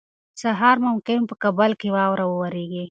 سهار ته ممکن په کابل کې واوره ووریږي.